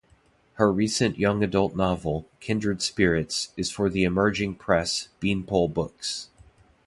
Her recent young adult novel, "Kindred Spirits", is for the emerging press Beanpole Books.